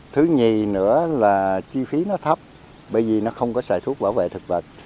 thứ nhì nữa là chi phí nó thấp bởi vì nó không có xài thuốc bảo vệ thực vật